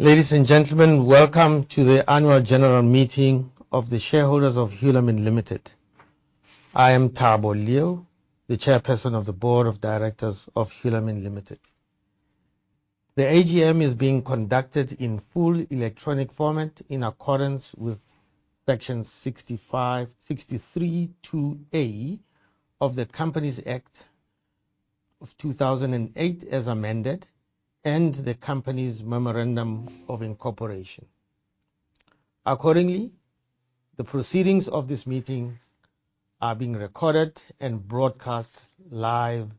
Ladies and gentlemen, welcome to the Annual General Meeting of the shareholders of Hulamin Limited. I am Thabo Leeuw, the Chairperson of the Board of Directors of Hulamin Limited. The AGM is being conducted in full electronic format in accordance with Section 63(2)(a) of the Companies Act of 2008, as amended, and the company's Memorandum of Incorporation. Accordingly, the proceedings of this meeting are being recorded and broadcast live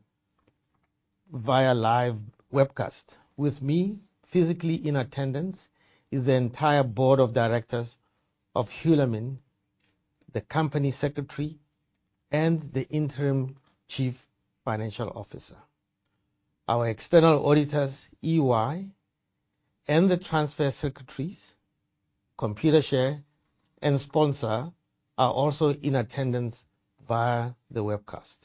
via live webcast. With me, physically in attendance, is the entire Board of Directors of Hulamin, the company secretary, and the Interim Chief Financial Officer. Our external auditors, EY, and the transfer secretaries, Computershare and Sponsor are also in attendance via the webcast.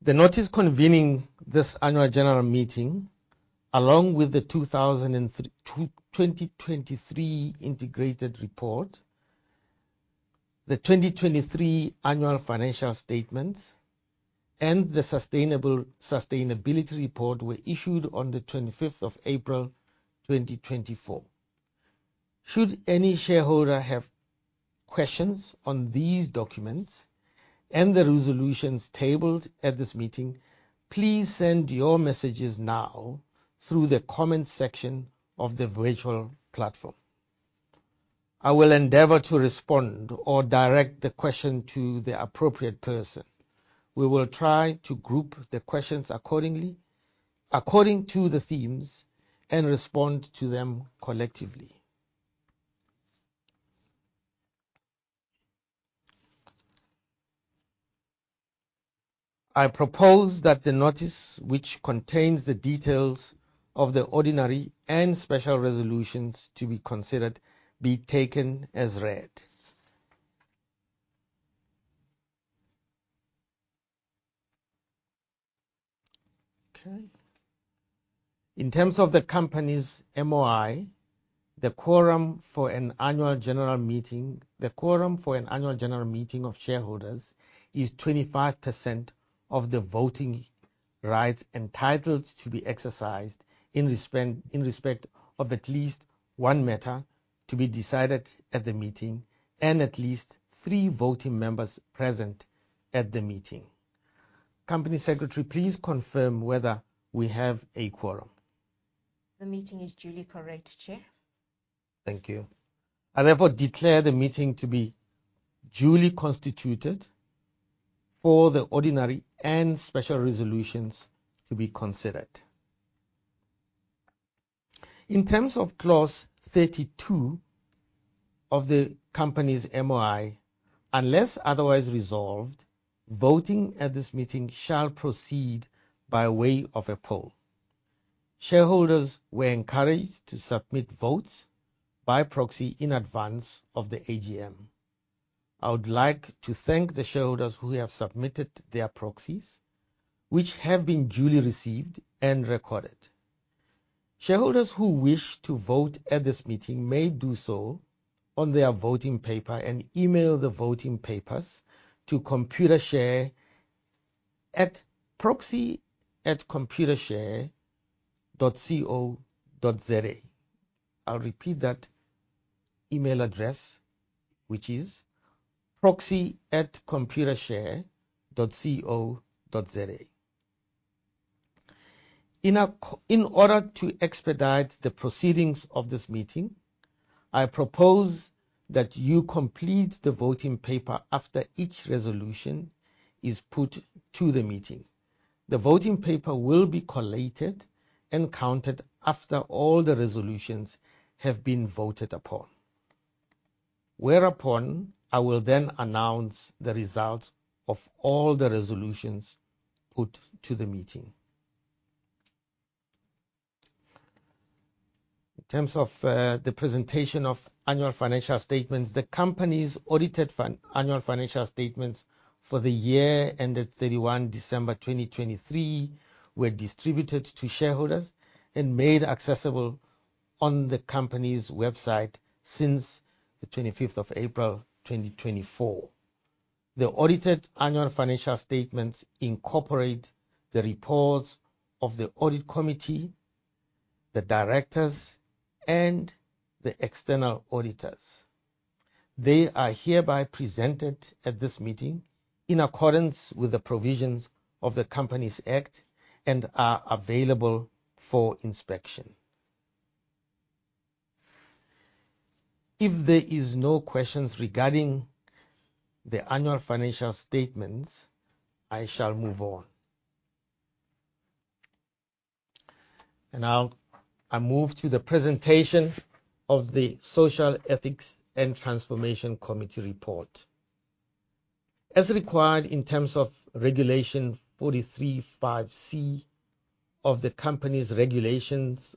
The notice convening this Annual General Meeting, along with the 2023 integrated report, the 2023 annual financial statements, and the sustainability report were issued on the 25th of April 2024. Should any shareholder have questions on these documents and the resolutions tabled at this meeting, please send your messages now through the comments section of the virtual platform. I will endeavor to respond or direct the question to the appropriate person. We will try to group the questions according to the themes and respond to them collectively. I propose that the notice, which contains the details of the ordinary and special resolutions to be considered, be taken as read. Okay. In terms of the company's MOI, the quorum for an annual general meeting of shareholders is 25% of the voting rights entitled to be exercised in respect of at least one matter to be decided at the meeting and at least three voting members present at the meeting. Company secretary, please confirm whether we have a quorum. The meeting is duly quorate, Chair. Thank you. I, therefore, declare the meeting to be duly constituted for the ordinary and special resolutions to be considered. In terms of Clause 32 of the company's MOI, unless otherwise resolved, voting at this meeting shall proceed by way of a poll. Shareholders were encouraged to submit votes by proxy in advance of the AGM. I would like to thank the shareholders who have submitted their proxies, which have been duly received and recorded. Shareholders who wish to vote at this meeting may do so on their voting paper and email the voting papers to Computershare at proxy@computershare.co.za. I'll repeat that email address, which is proxy@computershare.co.za. In order to expedite the proceedings of this meeting, I propose that you complete the voting paper after each resolution is put to the meeting. The voting paper will be collated and counted after all the resolutions have been voted upon, whereupon I will then announce the results of all the resolutions put to the meeting. In terms of the presentation of annual financial statements, the company's audited annual financial statements for the year ended 31 December 2023 were distributed to shareholders and made accessible on the company's website since the 25th of April 2024. The audited annual financial statements incorporate the reports of the audit committee, the directors, and the external auditors. They are hereby presented at this meeting in accordance with the provisions of the Companies Act and are available for inspection. If there is no questions regarding the annual financial statements, I shall move on. Now, I move to the presentation of the Social, Ethics, and Transformation Committee report. As required in terms of Regulation 43(5)(c) of the Companies Regulations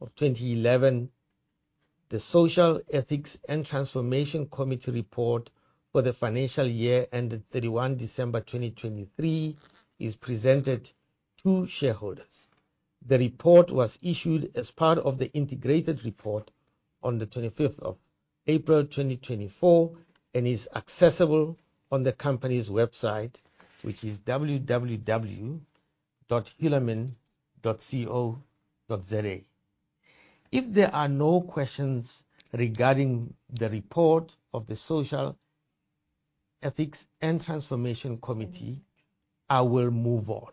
of 2011. The Social, Ethics, and Transformation Committee report for the financial year ending 31 December 2023 is presented to shareholders. The report was issued as part of the integrated report on the 25th of April 2024 and is accessible on the company's website, which is www.hulamin.co.za. If there are no questions regarding the report of the Social, Ethics, and Transformation Committee, I will move on.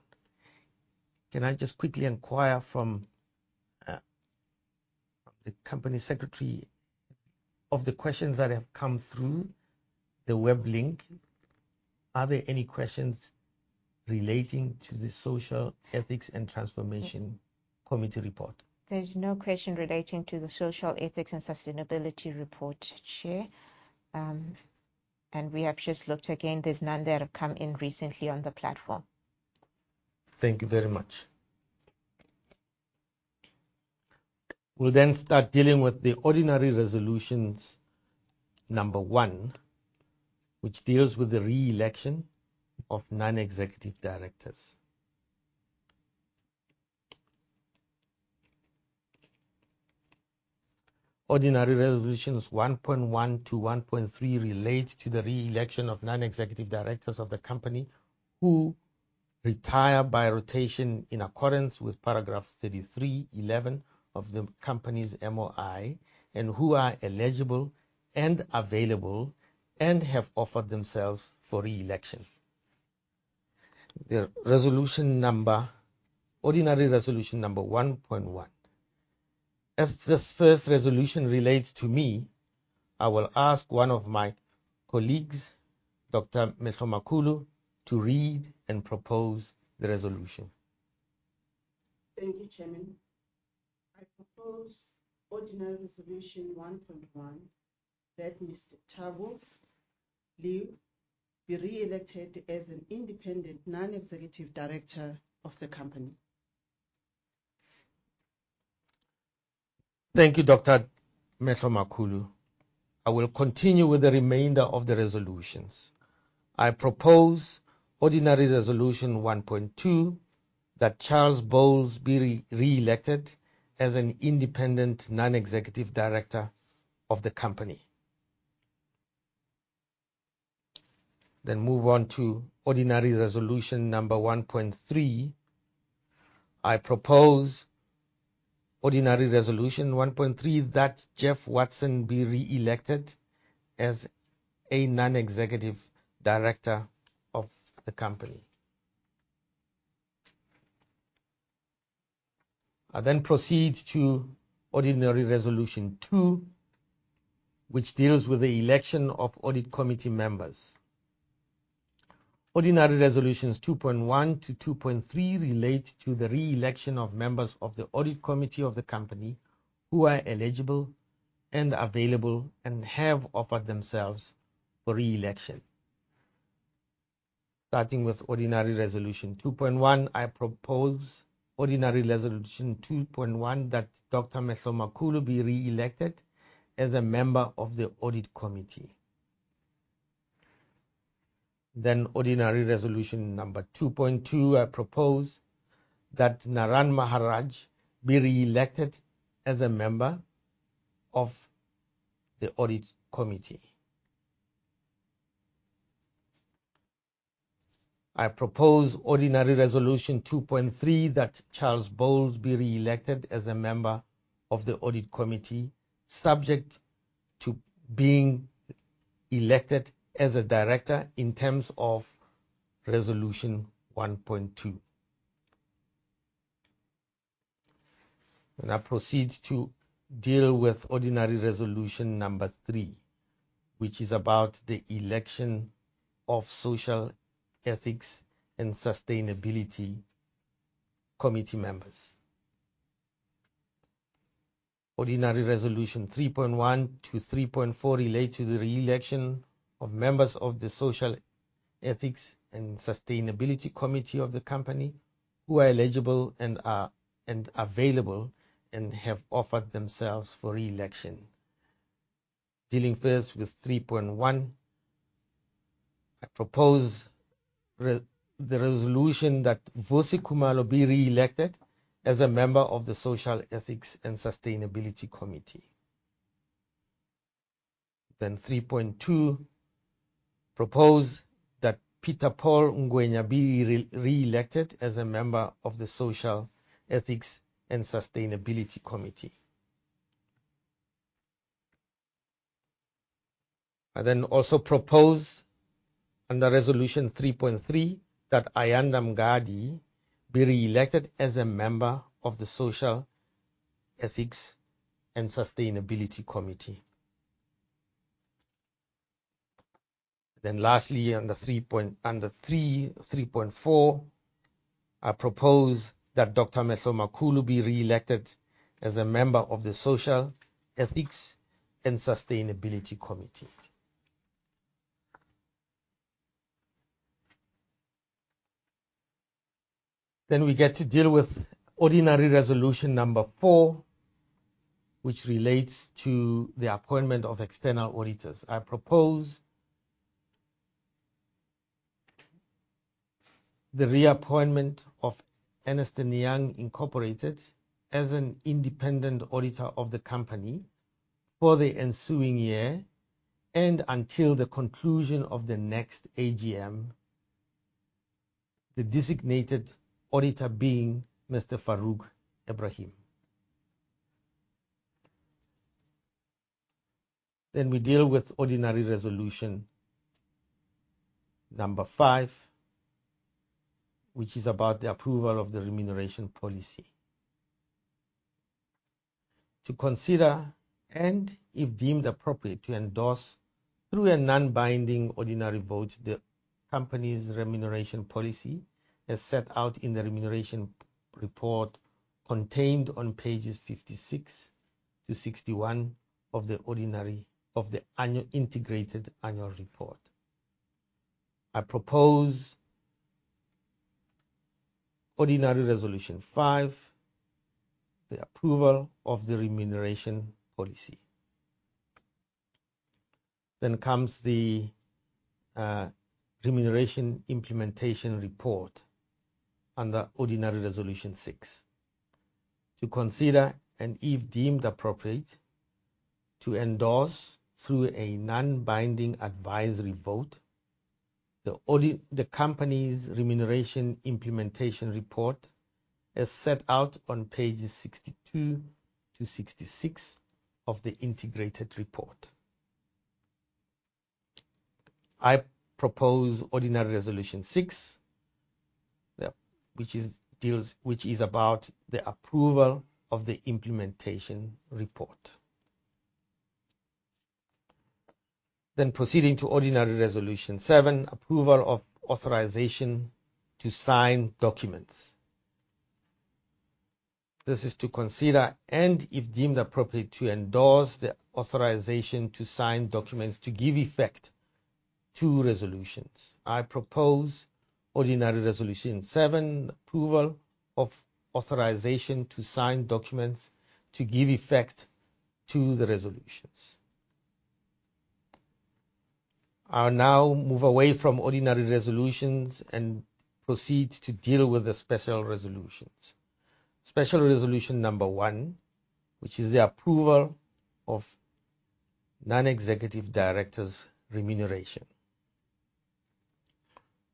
Can I just quickly inquire from the company secretary of the questions that have come through the web link, are there any questions relating to the Social, Ethics, and Transformation Committee report? There's no question relating to the Social, Ethics, and Sustainability report, Chair. We have just looked again, there's none that have come in recently on the platform. Thank you very much. We'll start dealing with the Ordinary Resolution Number 1, which deals with the re-election of non-executive directors. Ordinary Resolutions 1.1 to 1.3 relate to the re-election of non-executive directors of the company who retire by rotation in accordance with Paragraphs 33.11 of the company's MOI and who are eligible and available and have offered themselves for re-election. Ordinary Resolution Number 1.1. As this first resolution relates to me, I will ask one of my colleagues, Dr. Mehlomakulu, to read and propose the resolution. Thank you, Chairman. I propose Ordinary Resolution 1.1 that Mr. Thabo Leeuw be re-elected as an independent non-executive director of the company. Thank you, Dr. Mehlomakulu. I will continue with the remainder of the resolutions. I propose Ordinary Resolution 1.2, that Charles Boles be re-elected as an independent non-executive director of the company. Move on to Ordinary Resolution number 1.3. I propose Ordinary Resolution 1.3, that Jeff Watson be re-elected as a non-executive director of the company. I then proceed to Ordinary Resolution 2, which deals with the election of Audit Committee members. Ordinary Resolutions 2.1 to 2.3 relate to the re-election of members of the Audit Committee of the company who are eligible and available and have offered themselves for re-election. Starting with Ordinary Resolution 2.1, I propose Ordinary Resolution 2.1 that Dr. Mehlomakulu be re-elected as a member of the Audit Committee. Ordinary Resolution number 2.2, I propose that Naran Maharajh be re-elected as a member of the Audit Committee. I propose Ordinary Resolution 2.3, that Charles Boles be re-elected as a member of the Audit Committee, subject to being elected as a director in terms of Resolution 1.2. I proceed to deal with Ordinary Resolution Number 3, which is about the election of Social, Ethics, and Sustainability Committee members. Ordinary resolution 3.1 to 3.4 relate to the re-election of members of the Social, Ethics, and Sustainability Committee of the company who are eligible and are available and have offered themselves for re-election. Dealing first with 3.1, I propose the resolution that Vusi Khumalo be re-elected as a member of the Social, Ethics, and Sustainability Committee. I propose that Peter-Paul Ngwenya be re-elected as a member of the Social, Ethics, and Sustainability Committee. I then also propose under Resolution 3.3 that Ayanda Mngadi be re-elected as a member of the Social, Ethics, and Sustainability Committee. Lastly, under 3.4, I propose that Dr. Mehlomakulu be re-elected as a member of the Social, Ethics, and Sustainability Committee. We get to deal with Ordinary Resolution Number 4, which relates to the appointment of external auditors. I propose the reappointment of Ernst & Young Incorporated as an independent auditor of the company for the ensuing year, and until the conclusion of the next AGM. The designated auditor being Mr. Farouk Ebrahim. We deal with Ordinary Resolution Number 5, which is about the approval of the Remuneration Policy. To consider, and if deemed appropriate, to endorse through a non-binding ordinary vote, the company's Remuneration Policy as set out in the remuneration report contained on pages 56-61 of the integrated annual report. I propose Ordinary Resolution 5, the approval of the Remuneration Policy. Comes the remuneration implementation report under Ordinary Resolution 6. To consider, and if deemed appropriate, to endorse through a non-binding advisory vote, the company's remuneration implementation report as set out on pages 62-66 of the integrated report. I propose Ordinary Resolution 6, which is about the approval of the implementation report. Proceeding to Ordinary Resolution 7, approval of authorization to sign documents. This is to consider, and if deemed appropriate, to endorse the authorization to sign documents to give effect to resolutions. I propose Ordinary Resolution 7, approval of authorization to sign documents to give effect to the resolutions. I'll now move away from ordinary resolutions and proceed to deal with the special resolutions. Special Resolution Number 1, which is the approval of non-executive directors' remuneration.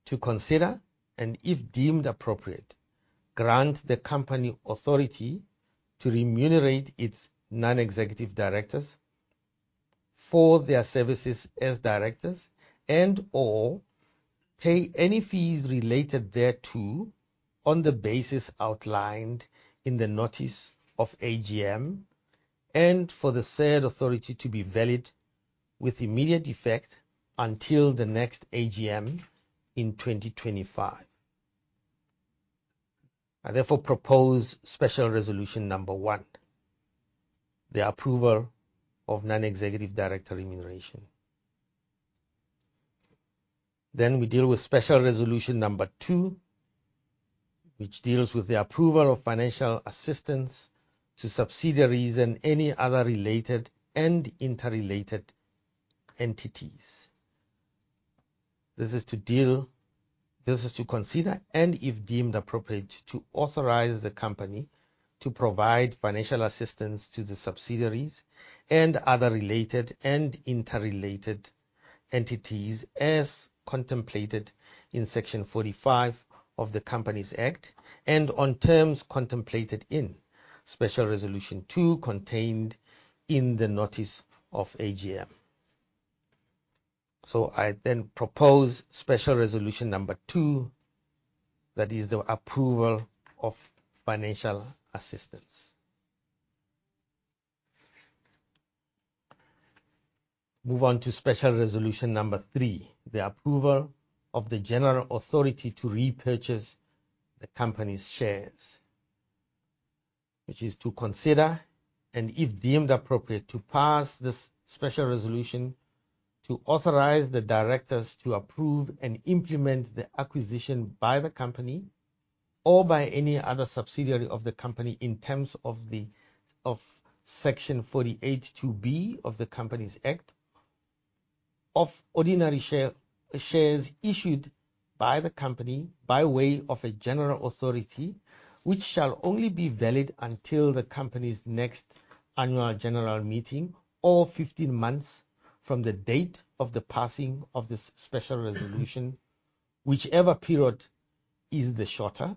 To consider, and if deemed appropriate, grant the company authority to remunerate its non-executive directors for their services as directors and/or pay any fees related thereto on the basis outlined in the notice of AGM, and for the said authority to be valid with immediate effect until the next AGM in 2025. I therefore propose Special Resolution Number 1, the approval of non-executive director remuneration. We deal with Special Resolution Number 2, which deals with the approval of financial assistance to subsidiaries and any other related and interrelated entities. This is to consider, and if deemed appropriate, to authorize the company to provide financial assistance to the subsidiaries and other related and interrelated entities as contemplated in Section 45 of the Companies Act, and on terms contemplated in Special Resolution 2 contained in the notice of AGM. I then propose Special Resolution Number 2, that is the approval of financial assistance. Move on to Special Resolution Number 3, the approval of the general authority to repurchase the company's shares. Which is to consider, and if deemed appropriate, to pass this special resolution to authorize the directors to approve and implement the acquisition by the company or by any other subsidiary of the company in terms of Section 48(2)(b) of the Companies Act of ordinary shares issued by the company by way of a general authority, which shall only be valid until the company's next Annual General Meeting or 15 months from the date of the passing of this special resolution, whichever period is the shorter,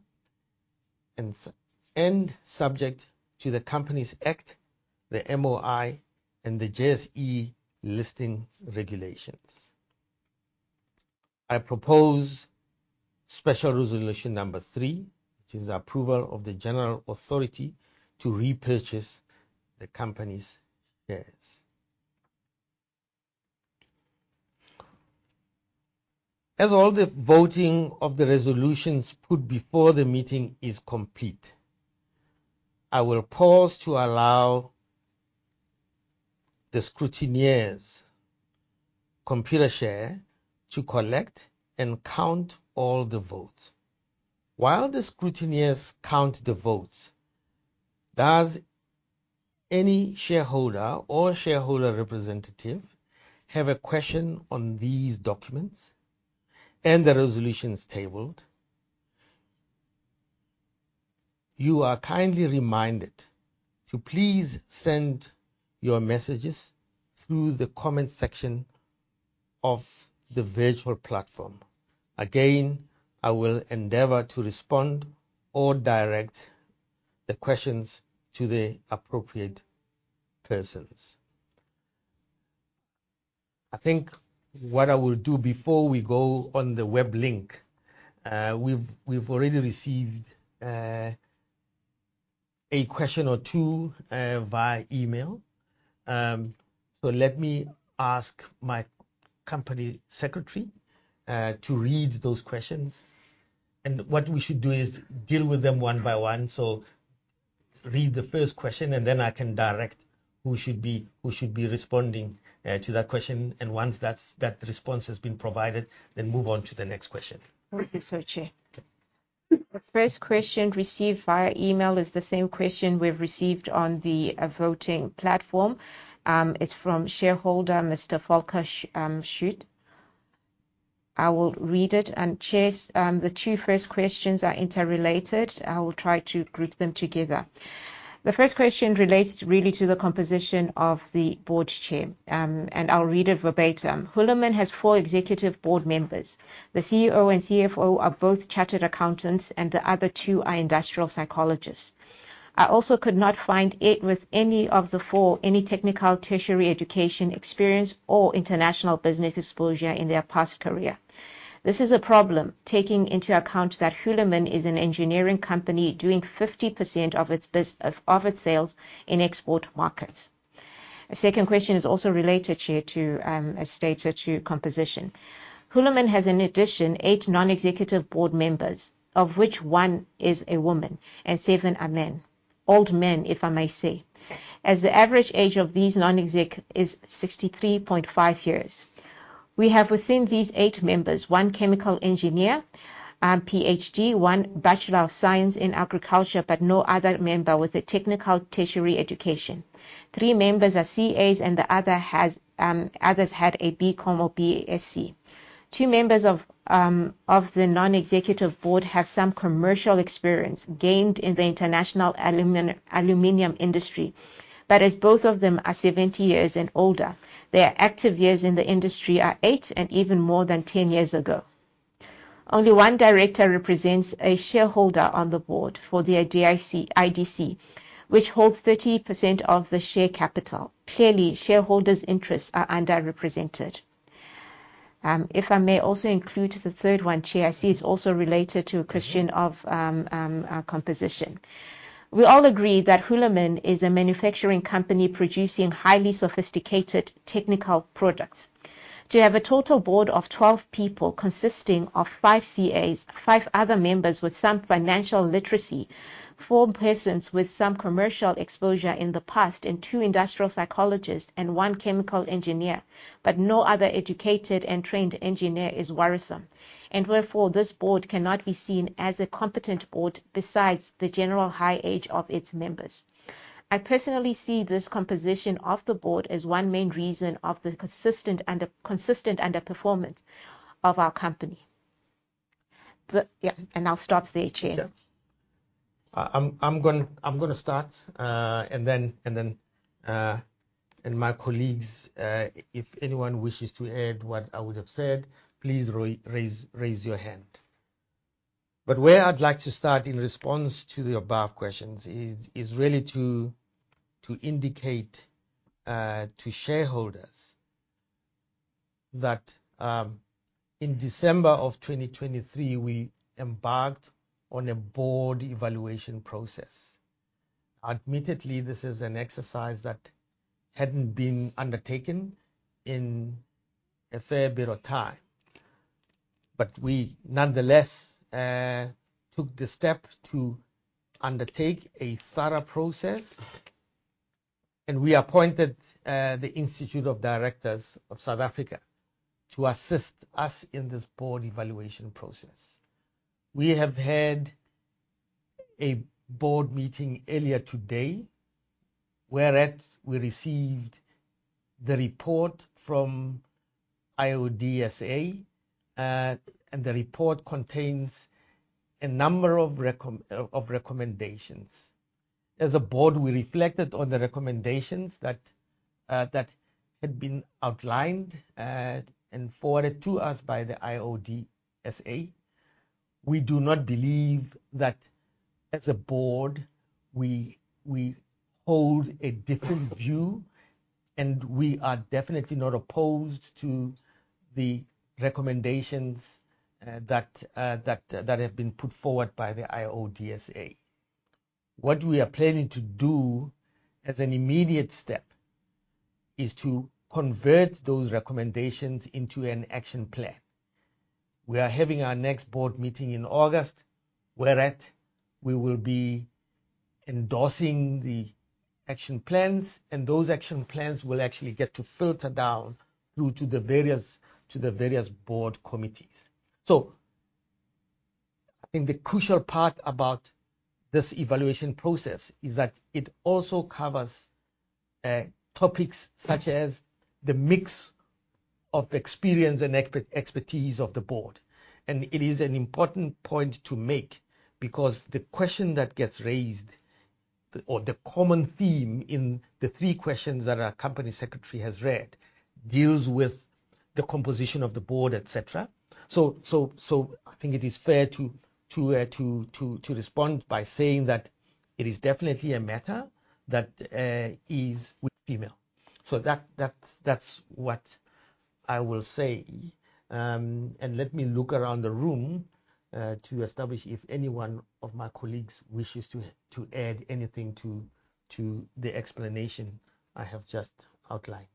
and subject to the Companies Act, the MOI, and the JSE Listings Requirements. I propose Special Resolution Number 3, which is approval of the general authority to repurchase the company's shares. As all the voting of the resolutions put before the meeting is complete, I will pause to allow the scrutineers' Computershare to collect and count all the votes. While the scrutineers count the votes, does any shareholder or shareholder representative have a question on these documents and the resolutions tabled? You are kindly reminded to please send your messages through the comment section of the virtual platform. Again, I will endeavor to respond or direct the questions to the appropriate persons. I think what I will do before we go on the web link, we've already received a question or two via email. Let me ask my company secretary to read those questions. What we should do is deal with them one by one. Read the first question, and then I can direct who should be responding to that question. Once that response has been provided, then move on to the next question. Thank you, Mr. Chair. Okay. The first question received via email is the same question we've received on the voting platform. It's from shareholder, Mr. Volker Schutte. I will read it. Chair, the two first questions are interrelated. I will try to group them together. The first question relates really to the composition of the board, Chair. I'll read it verbatim. "Hulamin has four executive board members. The CEO and CFO are both chartered accountants, and the other two are industrial psychologists. I also could not find it with any of the four, any technical tertiary education experience or international business exposure in their past career. This is a problem taking into account that Hulamin is an engineering company doing 50% of its sales in export markets." The second question is also related, Chair, to composition. "Hulamin has, in addition, eight non-executive board members, of which one is a woman and seven are men. Old men, if I may say. The average age of these non-exec is 63.5 years. We have within these eight members, one chemical engineer, PhD, one Bachelor of Science in Agriculture, but no other member with a technical tertiary education. Three members are CAs, and the others have a BCom or BSc. Two members of the non-executive board have some commercial experience gained in the international aluminum industry. Both of them are 70 years and older, their active years in the industry are 8 and even more than 10 years ago. Only one director represents a shareholder on the board for the IDC, which holds 30% of the share capital. Clearly, shareholders' interests are underrepresented." If I may also include the third one, Chair. I see it's also related to a question of composition. "We all agree that Hulamin is a manufacturing company producing highly sophisticated technical products. To have a total board of 12 people consisting of five CAs, five other members with some financial literacy, four persons with some commercial exposure in the past, two industrial psychologists, one chemical engineer, but no other educated and trained engineer is worrisome. Therefore, this board cannot be seen as a competent board besides the general high age of its members. I personally see this composition of the board as one main reason of the consistent underperformance of our company." I'll stop there, Chair. I'm gonna start, and then my colleagues, if anyone wishes to add what I would have said, please raise your hand. Where I'd like to start in response to the above questions is really to indicate to shareholders that in December 2023, we embarked on a board evaluation process. Admittedly, this is an exercise that hadn't been undertaken in a fair bit of time. We nonetheless took the step to undertake a thorough process, and we appointed the Institute of Directors in South Africa to assist us in this board evaluation process. We have had a board meeting earlier today whereat we received the report from IoDSA. The report contains a number of recommendations. As a board, we reflected on the recommendations that had been outlined and forwarded to us by the IoDSA. We do not believe that as a board, we hold a different view, and we are definitely not opposed to the recommendations that have been put forward by the IoDSA. What we are planning to do as an immediate step is to convert those recommendations into an action plan. We are having our next board meeting in August, whereat we will be endorsing the action plans, and those action plans will actually get to filter down through to the various board committees. I think the crucial part about this evaluation process is that it also covers topics such as the mix of experience and expertise of the board. It is an important point to make because the question that gets raised or the common theme in the three questions that our company secretary has read deals with the composition of the board, et cetera. I think it is fair to respond by saying that it is definitely a matter that is with the board. That is what I will say. Let me look around the room to establish if any one of my colleagues wishes to add anything to the explanation I have just outlined.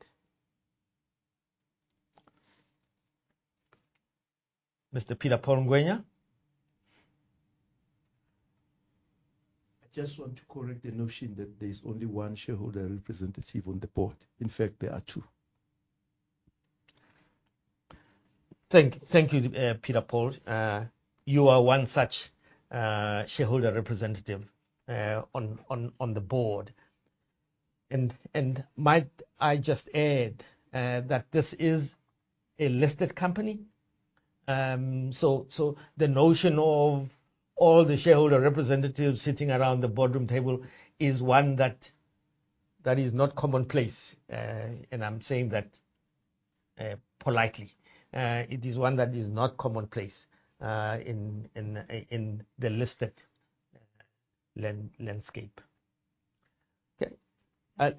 Mr. Peter-Paul Ngwenya. I just want to correct the notion that there's only one shareholder representative on the board. In fact, there are two. Thank you, Peter-Paul. You are one such shareholder representative on the board. Might I just add that this is a listed company. The notion of all the shareholder representatives sitting around the boardroom table is one that is not commonplace. I'm saying that politely. It is one that is not commonplace in the listed landscape. Okay.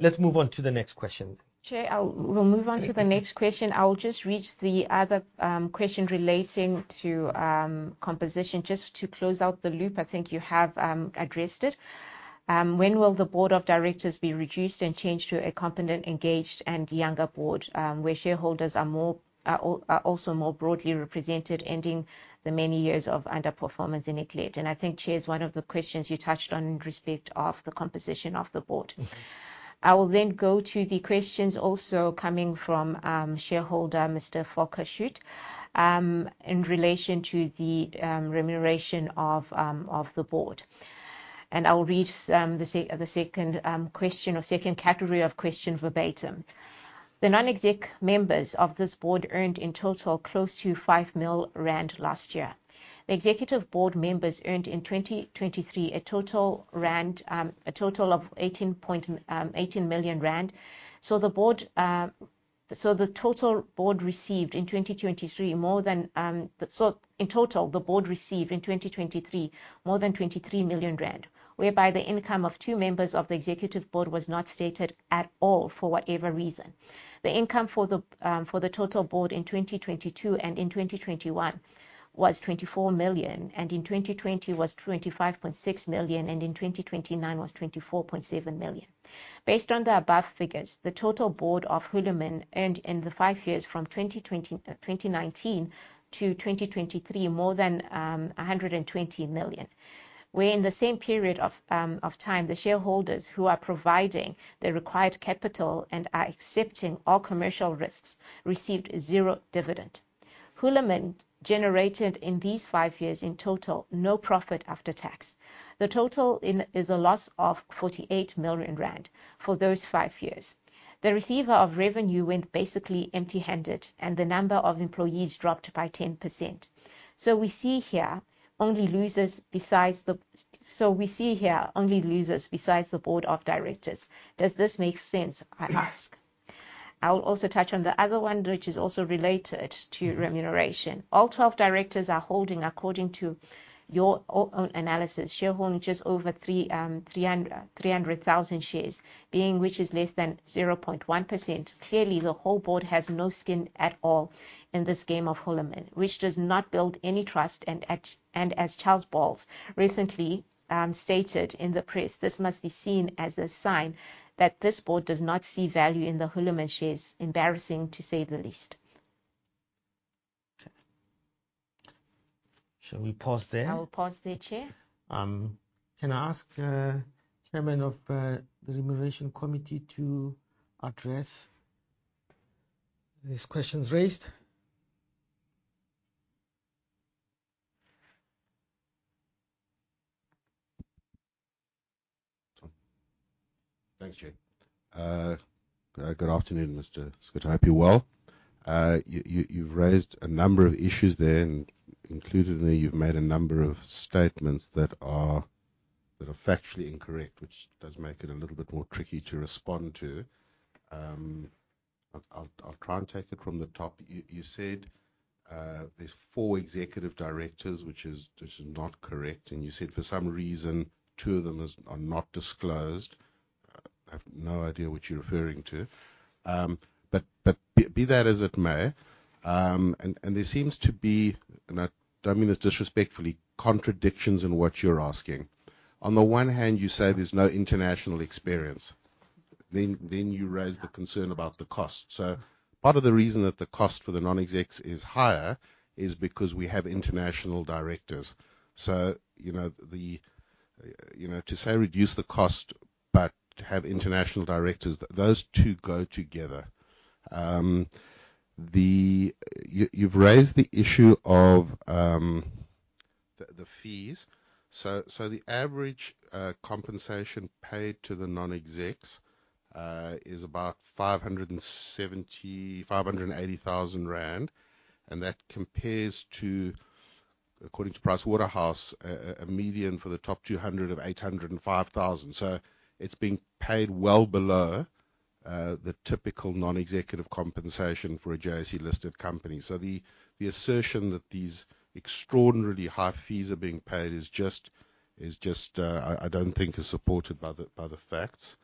Let's move on to the next question. Chair, we'll move on to the next question. I'll just read the other question relating to composition. Just to close out the loop, I think you have addressed it. When will the board of directors be reduced and changed to a competent, engaged, and younger board where shareholders are also more broadly represented, ending the many years of underperformance in Eclet? I think, Chair, it's one of the questions you touched on in respect of the composition of the board. I will then go to the questions also coming from shareholder, Mr. Volker Schutte, in relation to the remuneration of the board. I'll read the second question or second category of question verbatim. "The non-exec members of this board earned in total close to 5 million rand last year. The executive board members earned in 2023 a total of 18 million rand. In total, the board received in 2023 more than 23 million rand, whereby the income of two members of the executive board was not stated at all for whatever reason. The income for the total board in 2022 and in 2021 was 24 million, and in 2020 was 25.6 million, and in 2019 was 24.7 million. Based on the above figures, the total board of Hulamin earned in the 5 years from 2019 to 2023 more than 120 million. Whereas in the same period of time, the shareholders who are providing the required capital and are accepting all commercial risks received zero dividend. Hulamin generated in these 5 years in total no profit after tax. The total is a loss of 48 million rand for those 5 years. The receiver of revenue went basically empty-handed, and the number of employees dropped by 10%. We see here only losers besides the board of directors. Does this make sense, I ask?" I'll also touch on the other one, which is also related to remuneration. "All 12 directors are holding, according to your own analysis, shareholding just over 300,000 shares, which is less than 0.1%. Clearly, the whole board has no skin at all in this game of Hulamin, which does not build any trust. As Charles Boles recently stated in the press, this must be seen as a sign that this board does not see value in the Hulamin shares. Embarrassing, to say the least." Okay. Shall we pause there? I'll pause there, Chair. Can I ask, Chairman of the Remuneration Committee to address these questions raised? Thabo? Thanks, Chair. Good afternoon, Mr. Schutte. I hope you're well. You've raised a number of issues there, and inclusively you've made a number of statements that are factually incorrect, which does make it a little bit more tricky to respond to. I'll try and take it from the top. You said there's four executive directors, which is not correct. You said for some reason, two of them are not disclosed. I've no idea what you're referring to. But be that as it may, there seems to be, and I don't mean this disrespectfully, contradictions in what you're asking. On the one hand, you say there's no international experience. Then you raise the concern about the cost. Part of the reason that the cost for the non-execs is higher is because we have international directors. You know, to say reduce the cost, but to have international directors, those two go together. You've raised the issue of the fees. The average compensation paid to the non-execs is about 570,000-580,000 rand, and that compares to, according to PricewaterhouseCoopers, a median for the top 200 of 805,000. It's being paid well below the typical non-executive compensation for a JSE-listed company. The assertion that these extraordinarily high fees are being paid is just, I don't think is supported by the facts.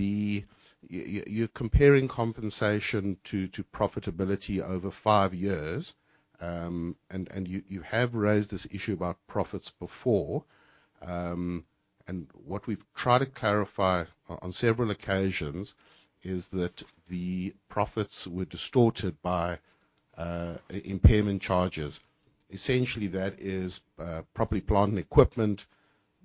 You're comparing compensation to profitability over 5 years. You have raised this issue about profits before. What we've tried to clarify on several occasions is that the profits were distorted by impairment charges. Essentially, that is property, plant, and equipment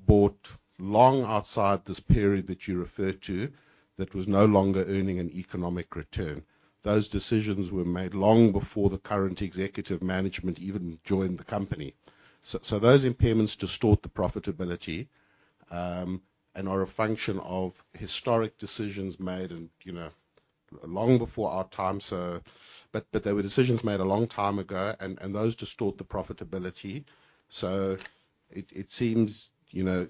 bought a long time ago outside this period that you referred to that was no longer earning an economic return. Those decisions were made long before the current executive management even joined the company. Those impairments distort the profitability and are a function of historic decisions made, you know, long before our time. They were decisions made a long time ago, and those distort the profitability. It seems, you know,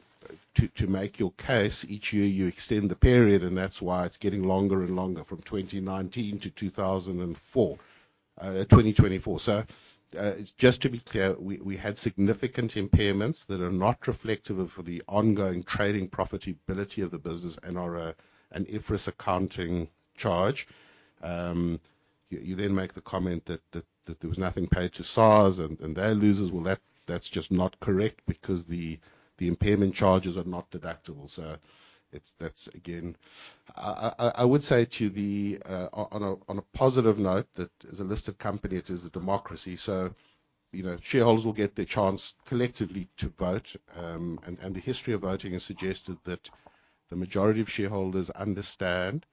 to make your case, each year you extend the period, and that's why it's getting longer and longer from 2019 to 2024. Just to be clear, we had significant impairments that are not reflective of the ongoing trading profitability of the business and are an IFRS accounting charge. You then make the comment that there was nothing paid to SARS and they're losers. Well, that's just not correct because the impairment charges are not deductible. On a positive note, as a listed company, it is a democracy, so you know, shareholders will get their chance collectively to vote. The history of voting has suggested that the majority of shareholders understand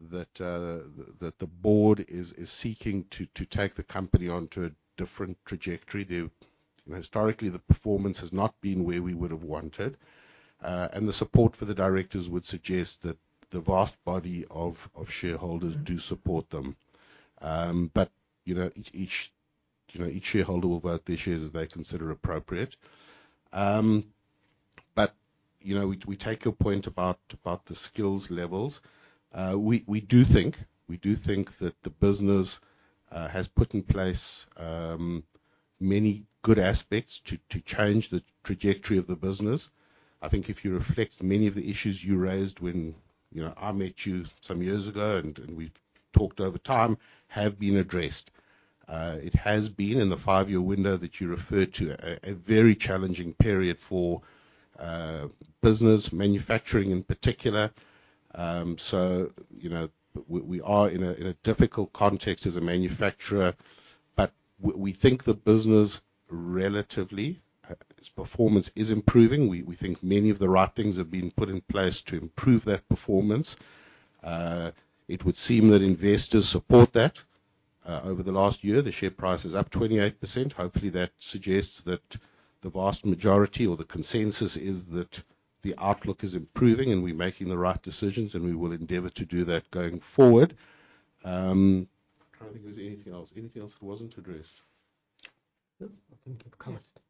that the board is seeking to take the company onto a different trajectory. Historically, the performance has not been where we would have wanted, and the support for the directors would suggest that the vast body of shareholders do support them. You know, each shareholder will vote their shares as they consider appropriate. You know, we take your point about the skills levels. We do think that the business has put in place many good aspects to change the trajectory of the business. I think if you reflect many of the issues you raised when, you know, I met you some years ago and we've talked over time, have been addressed. It has been, in the 5-year window that you referred to, a very challenging period for business manufacturing in particular. You know, we are in a difficult context as a manufacturer. We think the business, relatively, its performance is improving. We think many of the right things have been put in place to improve that performance. It would seem that investors support that. Over the last year, the share price is up 28%. Hopefully, that suggests that the vast majority or the consensus is that the outlook is improving, and we're making the right decisions, and we will endeavor to do that going forward. I'm trying to think if there was anything else. Anything else that wasn't addressed? No. I think you've covered. I hope. Share, shareholding. Independent directors. Yeah,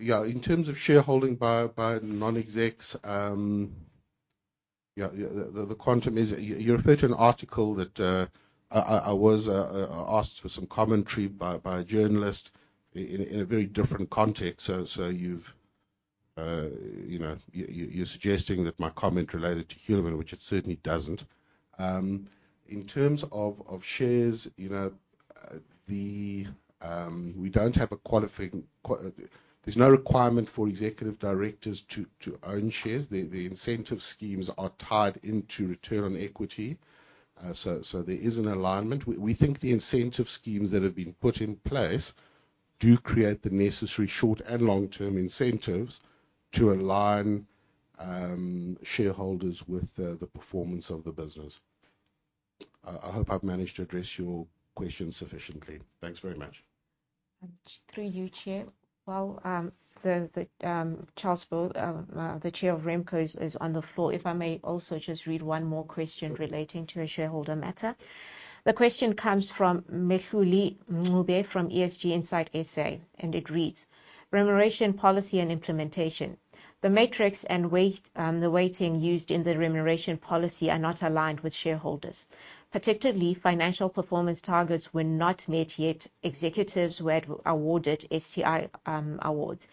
in terms of shareholding by non-execs, yeah, the quantum is. You refer to an article that I was asked for some commentary by a journalist in a very different context. You've, you know, you're suggesting that my comment related to Hulamin, which it certainly doesn't. In terms of shares, you know, the- We don't have a qualifying. There's no requirement for executive directors to own shares. The incentive schemes are tied into return on equity. So there is an alignment. We think the incentive schemes that have been put in place do create the necessary short and long-term incentives to align shareholders with the performance of the business. I hope I've managed to address your question sufficiently. Thanks very much. Through you, Chair. While Charles Boles- the chair of Remco, is on the floor. If I may also just read one more question relating to a shareholder matter. The question comes from Mehluli Mncube from ESG Insight SA, and it reads: "Remuneration Policy and implementation. The matrix and weight, the weighting used in the Remuneration Policy are not aligned with shareholders. Particularly, financial performance targets were not met, yet executives were awarded STI awards.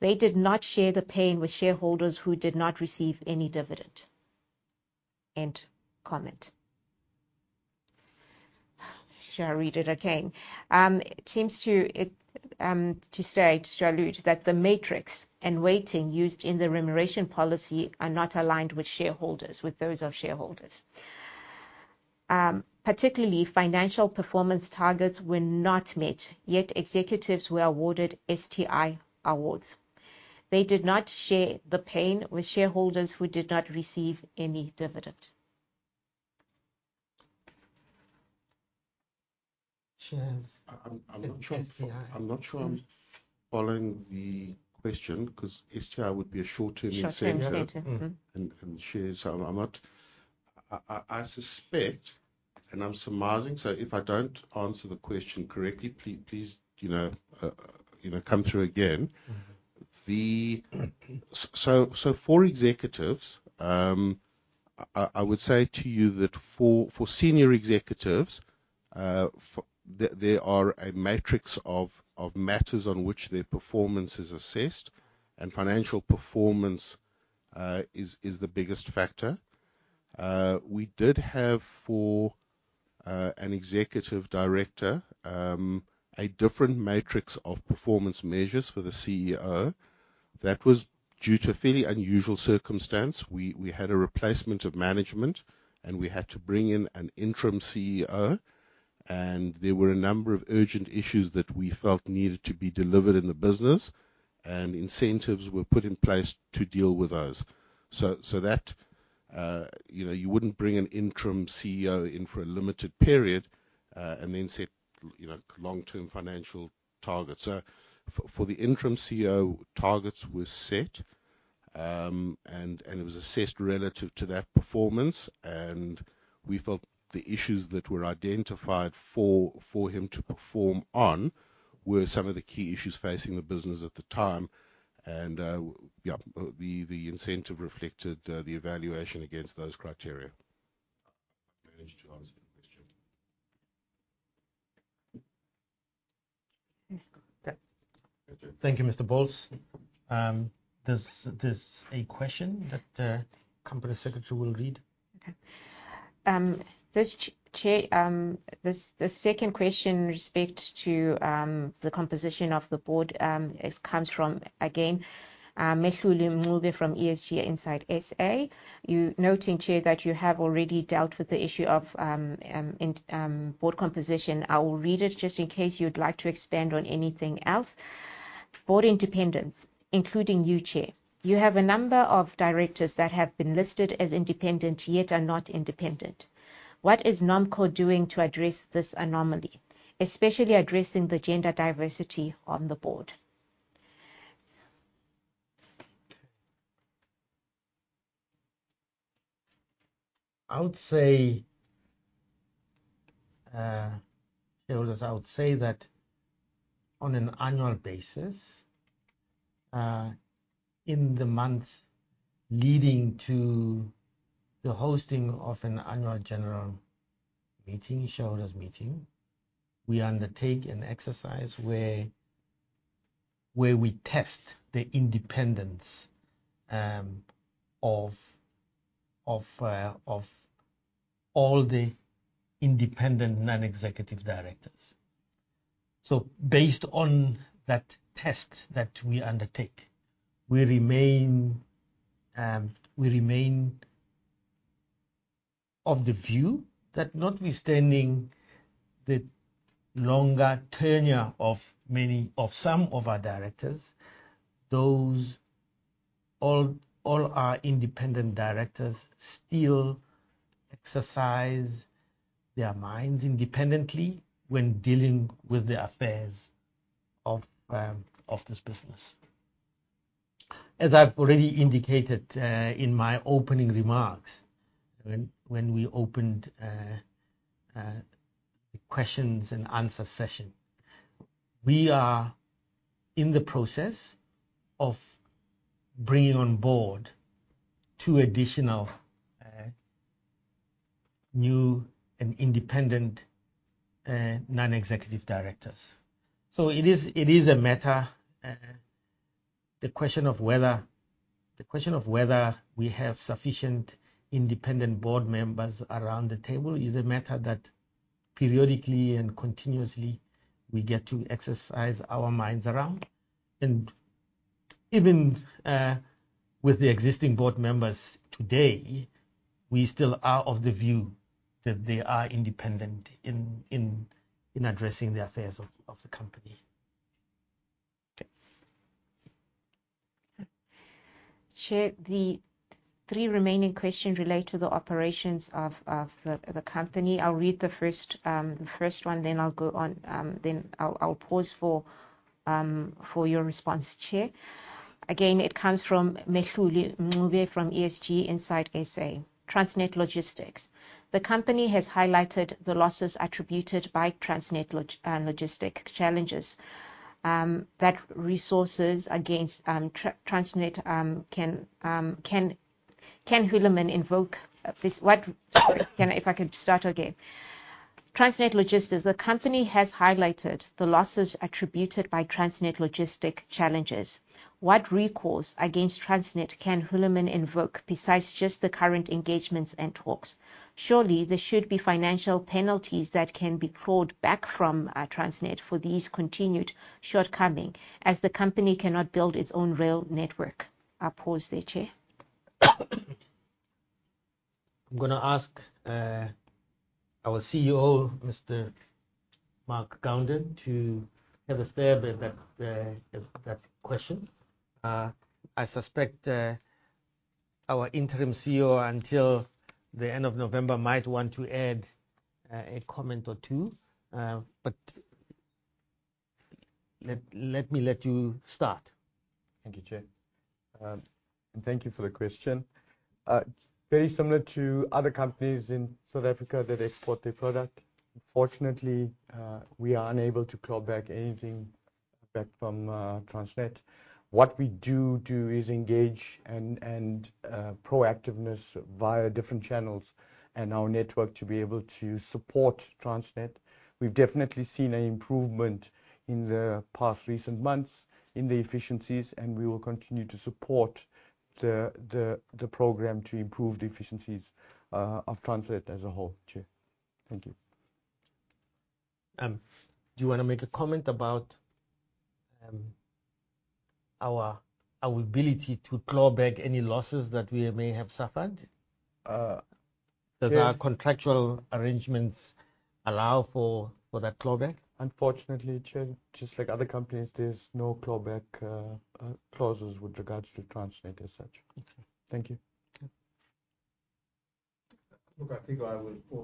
They did not share the pain with shareholders who did not receive any dividend." End comment. Should I read it again? It seems to state, to allude that the metrics and weighting used in the Remuneration Policy are not aligned with shareholders, with those of shareholders. Particularly financial performance targets were not met, yet executives were awarded STI awards. They did not share the pain with shareholders who did not receive any dividend. Shares- I'm not sure. STI. I'm not sure I'm following the question, 'cause STI would be a short-term incentive. Short-term incentive. Mm-hmm. Shares are not. I suspect, and I'm surmising, so if I don't answer the question correctly, please, you know, you know, come through again. Mm-hmm. For executives, I would say to you that for senior executives, there are a matrix of matters on which their performance is assessed, and financial performance is the biggest factor. We did have for an executive director a different matrix of performance measures for the CEO. That was due to a fairly unusual circumstance. We had a replacement of management, and we had to bring in an interim CEO, and there were a number of urgent issues that we felt needed to be delivered in the business, and incentives were put in place to deal with those. You know, you wouldn't bring an interim CEO in for a limited period, and then set long-term financial targets. For the interim CEO, targets were set, and it was assessed relative to that performance. We felt the issues that were identified for him to perform on were some of the key issues facing the business at the time. Yeah, the incentive reflected the evaluation against those criteria. I managed to answer the question. Okay. Thank you, Mr. Boles. There's a question that company secretary will read. Okay. This Chair, this second question in respect to the composition of the board comes from again Mehluli Mncube from ESG Insight SA. Noting, Chair, that you have already dealt with the issue of board composition, I will read it just in case you'd like to expand on anything else. Board independence, including you, Chair. You have a number of directors that have been listed as independent, yet are not independent. What is Nomco doing to address this anomaly, especially addressing the gender diversity on the board? I would say, shareholders, I would say that on an annual basis, in the months leading to the hosting of an annual general meeting, shareholders meeting, we undertake an exercise where we test the independence of all the independent non-executive directors. Based on that test that we undertake, we remain of the view that notwithstanding the longer tenure of many, of some of our directors, all our independent directors still exercise their minds independently when dealing with the affairs of this business. As I've already indicated, in my opening remarks when we opened questions and answer session, we are in the process of bringing on board two additional new and independent non-executive directors. It is a matter, the question of whether we have sufficient independent board members around the table is a matter that periodically and continuously we get to exercise our minds around. Even with the existing board members today, we still are of the view that they are independent in addressing the affairs of the company. Okay. Chair, the three remaining questions relate to the operations of the company. I'll read the first one, then I'll go on, then I'll pause for your response, Chair. Again, it comes from Mehluli Mncube from ESG Insight SA. Transnet Logistics. The company has highlighted the losses attributed by Transnet logistic challenges. What recourse against Transnet can Hulamin invoke besides just the current engagements and talks? Surely, there should be financial penalties that can be clawed back from Transnet for these continued shortcoming, as the company cannot build its own rail network. I'll pause there, Chair. I'm gonna ask our CEO, Mr. Mark Gounder, to have a stab at that, at that question. I suspect our interim CEO until the end of November might want to add a comment or two. But let me let you start. Thank you, Chair. Thank you for the question. Very similar to other companies in South Africa that export their product. Unfortunately, we are unable to claw back anything from Transnet. What we do is engage and proactiveness via different channels and our network to be able to support Transnet. We've definitely seen an improvement in the past recent months in the efficiencies, and we will continue to support the program to improve the efficiencies of Transnet as a whole, Chair. Thank you. Do you wanna make a comment about our ability to claw back any losses that we may have suffered? Uh- That our contractual arrangements allow for that clawback? Unfortunately, Chair, just like other companies, there's no clawback clauses with regards to Transnet as such. Okay. Thank you. Okay. All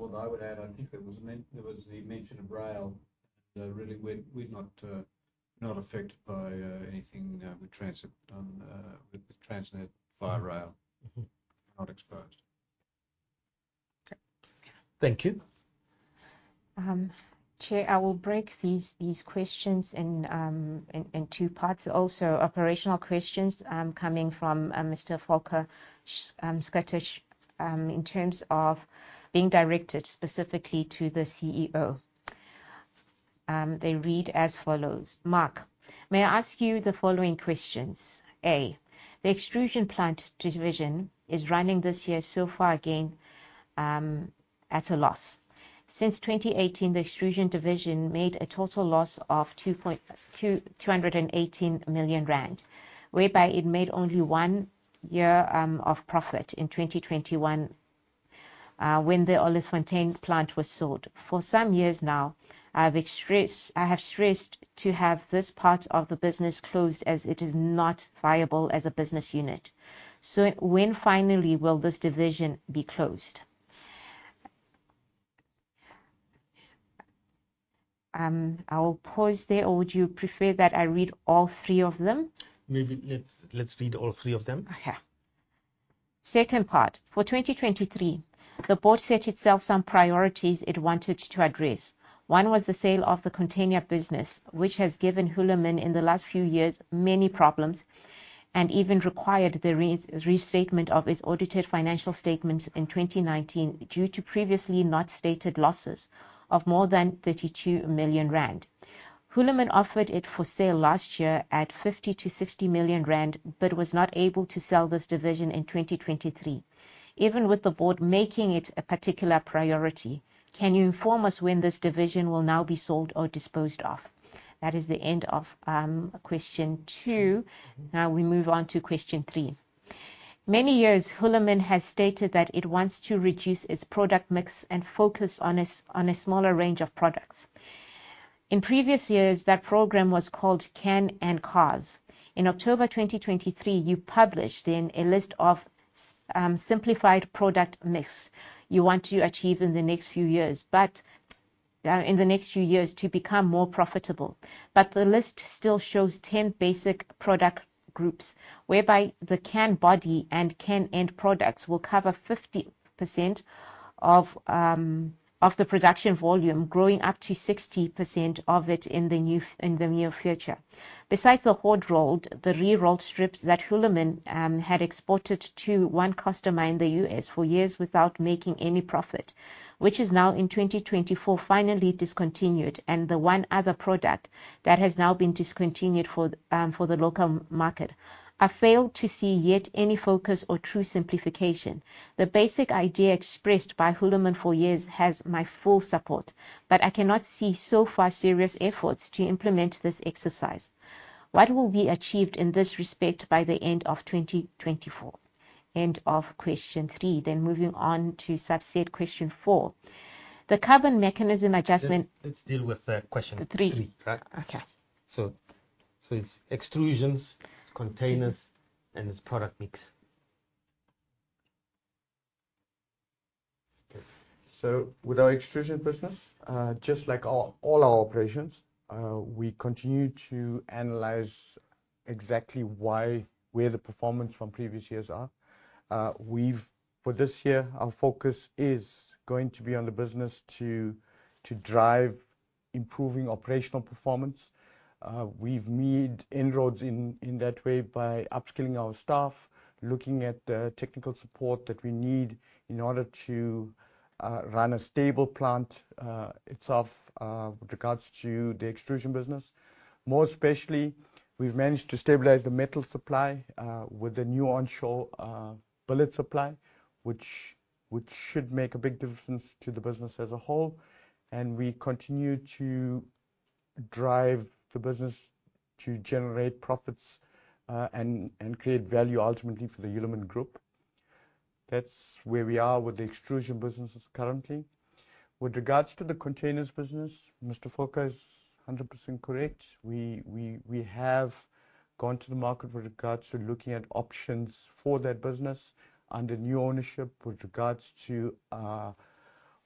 that I would add, I think there was the mention of rail. Really, we're not affected by anything with Transnet via rail. Mm-hmm. Not exposed. Okay. Thank you. Chair, I will break these questions in two parts. Also, operational questions coming from Mr. Volker Schutte, in terms of being directed specifically to the CEO. They read as follows. "Mark, may I ask you the following questions? A, the extrusion plant division is running this year so far again at a loss. Since 2018, the extrusion division made a total loss of 218 million rand, whereby it made only 1 year of profit in 2021, when the Olifantsfontein plant was sold. For some years now, I have stressed to have this part of the business closed as it is not viable as a business unit. When, finally, will this division be closed?" I will pause there, or would you prefer that I read all three of them? Maybe let's read all three of them. Okay. Second part. "For 2023, the board set itself some priorities it wanted to address. One was the sale of the container business, which has given Hulamin, in the last few years, many problems, and even required the restatement of its audited financial statements in 2019 due to previously not stated losses of more than 32 million rand. Hulamin offered it for sale last year at 50 million-60 million rand, but was not able to sell this division in 2023. Even with the board making it a particular priority, can you inform us when this division will now be sold or disposed of?" That is the end of question two. Now we move on to question three. "For many years, Hulamin has stated that it wants to reduce its product mix and focus on a smaller range of products. In previous years, that program was called Cans and Cars. In October 2023, you published a list of simplified product mix you want to achieve in the next few years, but in the next few years to become more profitable. The list still shows 10 basic product groups, whereby the can body and can end products will cover 50% of the production volume, growing up to 60% of it in the near future. Besides the hot rolled, the re-rolled strips that Hulamin had exported to one customer in the U.S. for years without making any profit, which is now in 2024, finally discontinued, and the one other product that has now been discontinued for the local market. I failed to see yet any focus or true simplification. The basic idea expressed by Hulamin for years has my full support, but I cannot see, so far, serious efforts to implement this exercise. What will be achieved in this respect by the end of 2024?" End of question three. Moving on to subset question four. "The Carbon Border Adjustment Mechanism-" Let's deal with question. The three? Three. Right. Okay. It's extrusions, it's containers, and it's product mix. With our extrusion business, just like all our operations, we continue to analyze exactly why where the performance from previous years are. We've for this year, our focus is going to be on the business to drive improving operational performance. We've made inroads in that way by upskilling our staff, looking at the technical support that we need in order to run a stable plant itself with regards to the extrusion business. More especially, we've managed to stabilize the metal supply with the new onshore billet supply, which should make a big difference to the business as a whole. We continue to drive the business to generate profits and create value ultimately for the Hulamin Group. That's where we are with the extrusion businesses currently. With regards to the containers business, Mr. Volker is 100% correct. We have gone to the market with regards to looking at options for that business under new ownership with regards to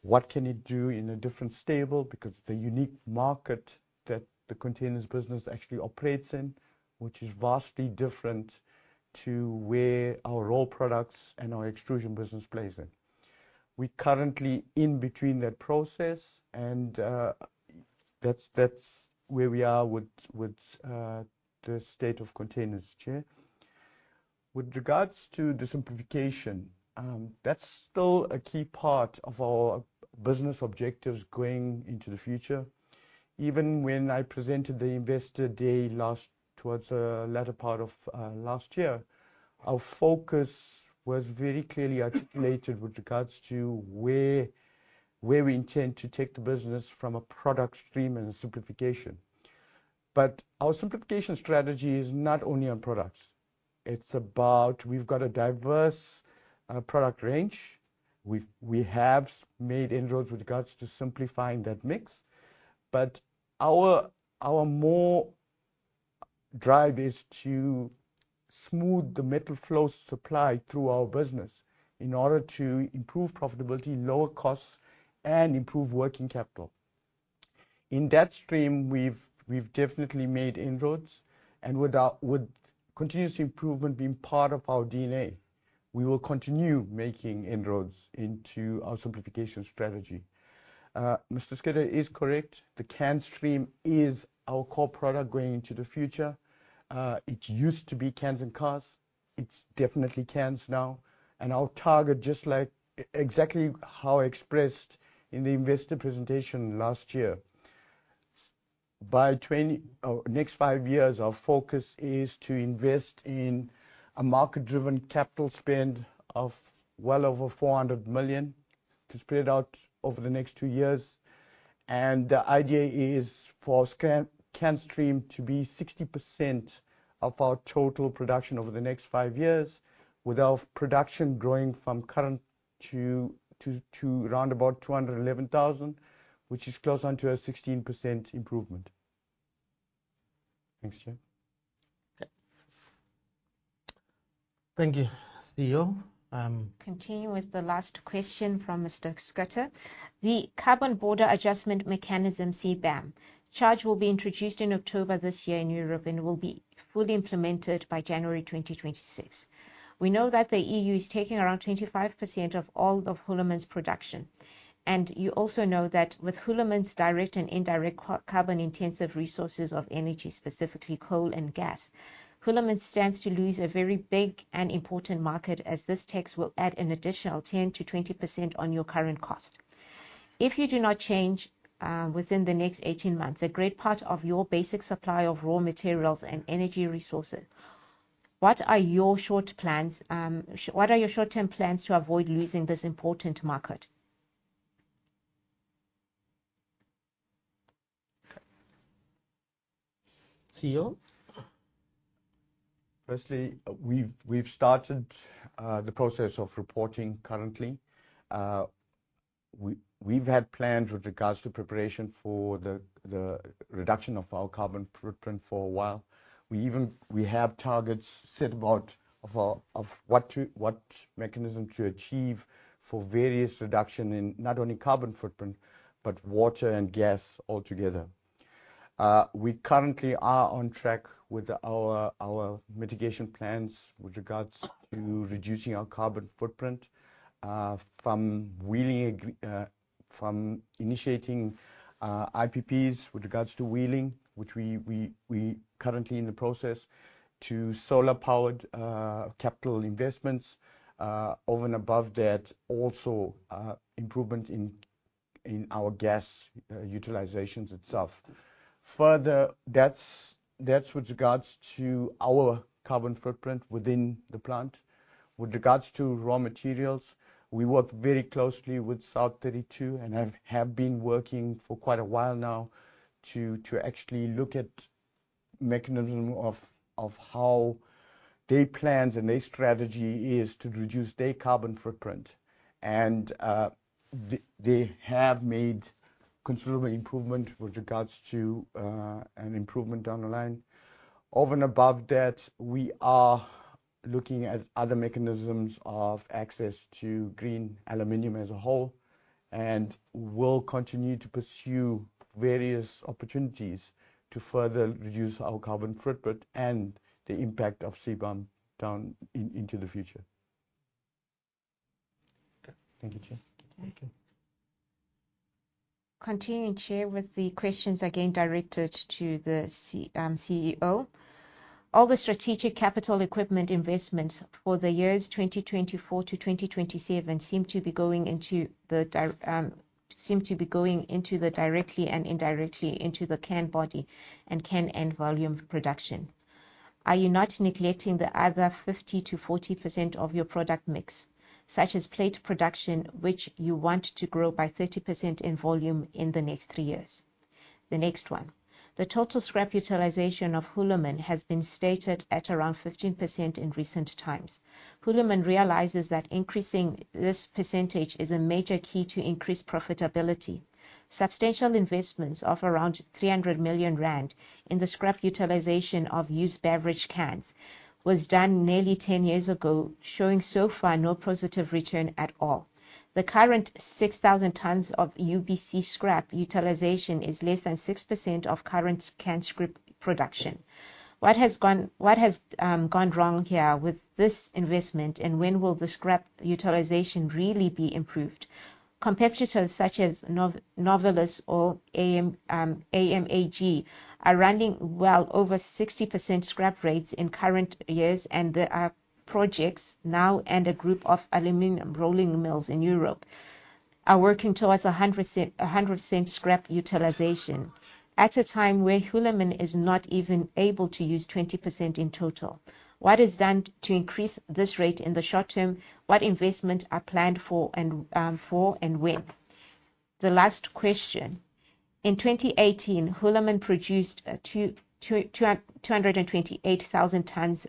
what can it do in a different stable. Because the unique market that the containers business actually operates in, which is vastly different to where our raw products and our extrusion business plays in. We're currently in between that process, and that's where we are with the state of containers, Chair. With regards to the simplification, that's still a key part of our business objectives going into the future. Even when I presented the Investor Day towards the latter part of last year, our focus was very clearly articulated with regards to where we intend to take the business from a product stream and a simplification. Our simplification strategy is not only on products. It's about we've got a diverse product range. We have made inroads with regards to simplifying that mix, but our more drive is to smooth the metal flow supply through our business in order to improve profitability, lower costs, and improve working capital. In that stream, we've definitely made inroads and with continuous improvement being part of our DNA, we will continue making inroads into our simplification strategy. Mr. Schutte is correct. The can stream is our core product going into the future. It used to be Cans and Cars. It's definitely cans now. Our target, just like exactly how expressed in the investor presentation last year. Over the next 5 years, our focus is to invest in a market-driven capital spend of well over 400 million to spread out over the next 2 years. The idea is for can stream to be 60% of our total production over the next 5 years, with our production growing from current to around about 211,000, which is close on to a 16% improvement. Thanks, Chair. Okay. Thank you, CEO. Continue with the last question from Mr. Schutte. The Carbon Border Adjustment Mechanism, CBAM. Charge will be introduced in October this year in Europe and will be fully implemented by January 2026. We know that the EU is taking around 25% of all of Hulamin's production. You also know that with Hulamin's direct and indirect carbon-intensive resources of energy, specifically coal and gas, Hulamin stands to lose a very big and important market as this tax will add an additional 10%-20% on your current cost. If you do not change within the next 18 months, a great part of your basic supply of raw materials and energy resources, what are your short-term plans to avoid losing this important market? CEO. Firstly, we've started the process of reporting currently. We've had plans with regards to preparation for the reduction of our carbon footprint for a while. We have targets set about what mechanism to achieve for various reduction in not only carbon footprint, but water and gas altogether. We currently are on track with our mitigation plans with regards to reducing our carbon footprint from initiating IPPs with regards to wheeling, which we currently in the process, to solar-powered capital investments. Over and above that, also, improvement in our gas utilizations itself. Further, that's with regards to our carbon footprint within the plant. With regards to raw materials, we work very closely with South32, and have been working for quite a while now to actually look at mechanism of how their plans and their strategy is to reduce their carbon footprint. They have made considerable improvement with regards to an improvement down the line. Over and above that, we are looking at other mechanisms of access to green aluminum as a whole, and we'll continue to pursue various opportunities to further reduce our carbon footprint and the impact of CBAM down into the future. Thank you, Chair. Thank you. Continuing, Chair, with the questions again directed to the CEO. All the strategic capital equipment investment for the years 2024-2027 seem to be going into the directly and indirectly into the can body and can end volume production. Are you not neglecting the other 50%-40% of your product mix, such as plate production, which you want to grow by 30% in volume in the next 3 years? The next one. The total scrap utilization of Hulamin has been stated at around 15% in recent times. Hulamin realizes that increasing this percentage is a major key to increase profitability. Substantial investments of around 300 million rand in the scrap utilization of used beverage cans was done nearly 10 years ago, showing so far no positive return at all. The current 6,000 tons of UBC scrap utilization is less than 6% of current can scrap production. What has gone wrong here with this investment, and when will the scrap utilization really be improved? Competitors such as Novelis or AMAG are running well over 60% scrap rates in current years and there are projects now and a group of aluminum rolling mills in Europe are working towards 100% scrap utilization at a time where Hulamin is not even able to use 20% in total. What is done to increase this rate in the short term? What investments are planned for and when? The last question. In 2018, Hulamin produced 228,000 tons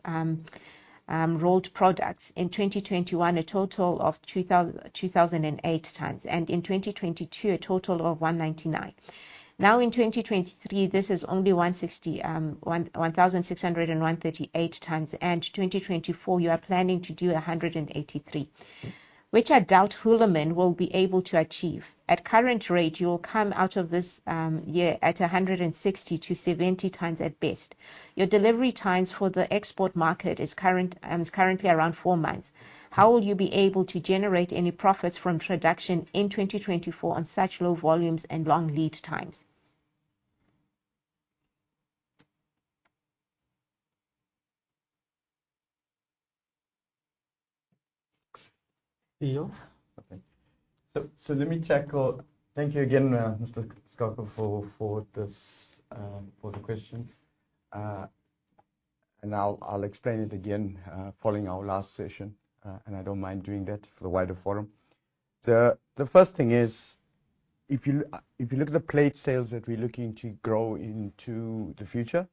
rolled products. In 2021, a total of 208,000 tons, and in 2022, a total of 199,000. Now in 2023, this is only 169,138 tons. In 2024, you are planning to do 183,000, which I doubt Hulamin will be able to achieve. At current rate, you will come out of this year at 160,000-170,000 tons at best. Your delivery times for the export market is currently around 4 months. How will you be able to generate any profits from production in 2024 on such low volumes and long lead times? Okay. Let me tackle. Thank you again, Mr. Schutte, for this question. I'll explain it again, following our last session, and I don't mind doing that for the wider forum. The first thing is, if you look at the plate sales that we're looking to grow into the future,